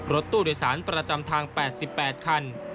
รถตู้โดยสารประจำทาง๘๘คัน